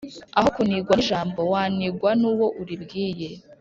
Aho kuniganwa ijambo wanigwa n’uwo uribwiye